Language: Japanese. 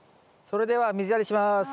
それでは水やりします。